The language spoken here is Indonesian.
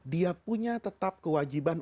dia punya tetap kewajiban